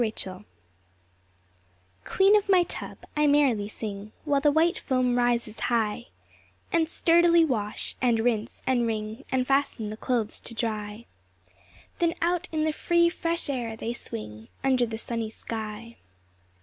8 Autoplay Queen of my tub, I merrily sing, While the white foam raises high, And sturdily wash, and rinse, and wring, And fasten the clothes to dry; Then out in the free fresh air they swing, Under the sunny sky.